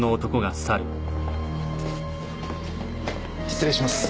失礼します。